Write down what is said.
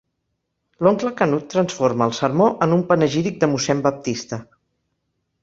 L'oncle Canut transforma el sermó en un panegíric de mossèn Baptista.